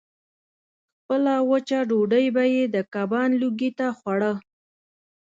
خپله وچه ډوډۍ به یې د کباب لوګي ته خوړه.